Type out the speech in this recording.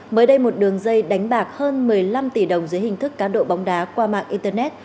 mới đây một đường dây đánh bạc hơn một mươi năm tỷ đồng dưới hình thức cá độ bóng đá qua mạng internet